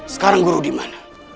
sekarang guru dimana